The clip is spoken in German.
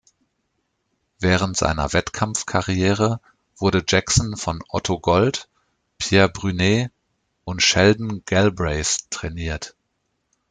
Während seiner Wettkampfkarriere wurde Jackson von Otto Gold, Pierre Brunet, und Sheldon Galbraith trainiert.